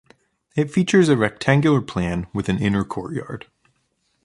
It features a rectangular plan with an inner courtyard.